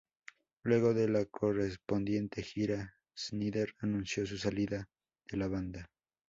Luego de la correspondiente gira, Snider anunció su salida de la banda.